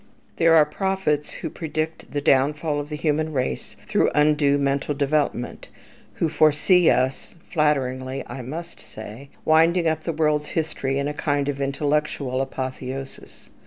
There are prophets who predict the downfall of the human race through undue mental development, who foresee us (flatteringly, I must say) winding up the world's history in a kind of intellectual apotheosis.